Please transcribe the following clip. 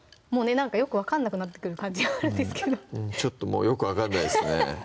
何かよく分かんなくなってくる感じがあるんですけどうんちょっともうよく分かんないですね